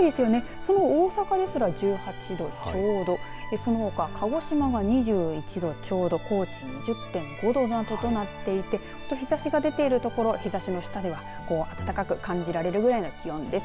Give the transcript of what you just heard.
その大阪ですら１８度ちょうどそのほか鹿児島が２１度ちょうど高知も２０．５度となっていて日ざしが出ている所日ざしの下では結構暖かく感じられるぐらいの気温です。